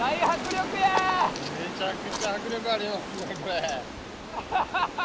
めちゃくちゃ迫力ありますねこれ。